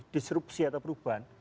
disrupsi atau perubahan